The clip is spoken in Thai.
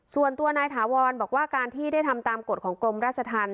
ส่วนตัวนายถาวรบอกว่าการที่ได้ทำตามกฎของกรมราชธรรม